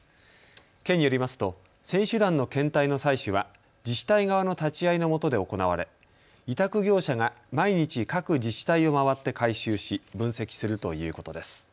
県によりますと選手団の検体の採取は自治体側の立ち会いのもとで行われ委託業者が毎日、各自治体を回って回収し分析するということです。